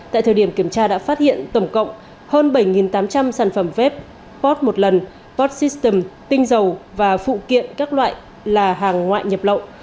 tại thời điểm kiểm tra đã phát hiện tổng cộng hơn bảy tám trăm linh sản phẩm vép pot một lần pot system tinh dầu và phụ kiện các loại là hàng ngoại nhập lậu